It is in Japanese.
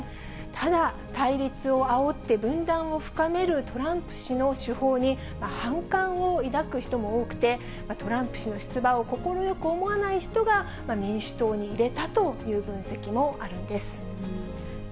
ただ、対立をあおって分断を深めるトランプ氏の手法に、反感を抱く人も多くて、トランプ氏の出馬を快く思わない人が、民主党に入れたという分析